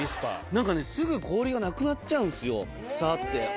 何かねすぐ氷がなくなっちゃうんですよさって。